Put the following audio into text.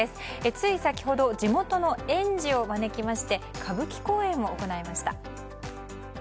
つい先ほど地元の園児を招きまして歌舞伎公演を行いました。